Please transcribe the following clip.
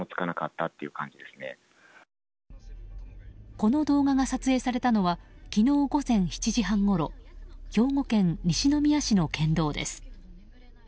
この動画が撮影されたのは昨日午前７時半ごろ兵庫県西宮市の県道です。